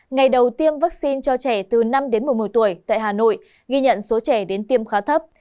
ngày đầu tiêm vaccine cho trẻ từ năm đến một mươi một tuổi tại hà nội ghi nhận số trẻ đến tiêm khá thấp